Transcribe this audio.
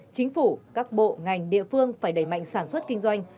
chính phủ các bộ ngành địa phương phải đẩy mạnh sản xuất kinh doanh